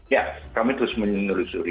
ya kami terus menelusuri